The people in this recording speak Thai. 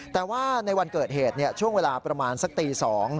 แต่ว่าในวันเกิดเหตุช่วงเวลาประมาณสักตี๒